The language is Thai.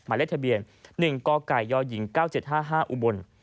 เลขทะเบียน๑กกยหญิง๙๗๕๕อุบล